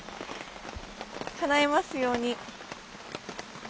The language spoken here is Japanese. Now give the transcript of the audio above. かないますように。